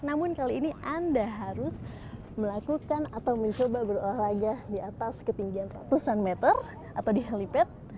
namun kali ini anda harus melakukan atau mencoba berolahraga di atas ketinggian ratusan meter atau di helipad